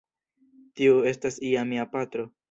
Tiu estas ja mia patro.